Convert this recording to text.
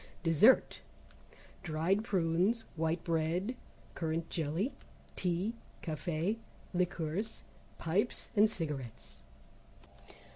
Dessert. Dried prunes White bread, Currant Jelly, Tea Café, Liqueurs, Pipes and Cigarettes.